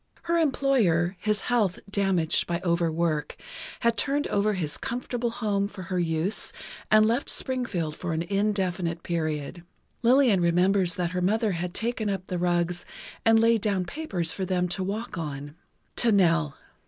Her employer, his health damaged by over work, had turned over his comfortable home for her use and left Springfield for an indefinite period. Lillian remembers that her mother had taken up the rugs and laid down papers for them to walk on. To Nell